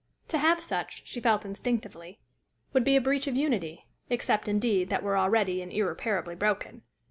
To have such, she felt instinctively, would be a breach of unity, except, indeed, that were already, and irreparably, broken.